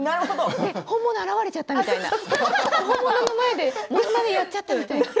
本物現れちゃったみたいな本物の前でやっちゃったみたいな。